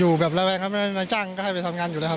อยู่แบบระแวงครับนายจ้างก็ให้ไปทำงานอยู่เลยครับ